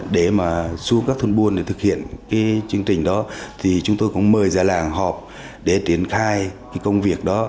dù các thôn buôn thực hiện chương trình đó chúng tôi cũng mời già làng họp để triển khai công việc đó